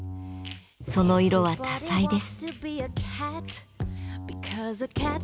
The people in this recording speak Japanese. その色は多彩です。